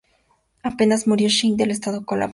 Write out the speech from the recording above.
Apenas murió Singh, el Estado colapsó.